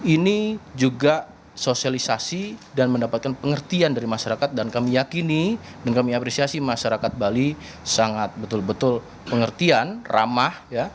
ini juga sosialisasi dan mendapatkan pengertian dari masyarakat dan kami yakini dan kami apresiasi masyarakat bali sangat betul betul pengertian ramah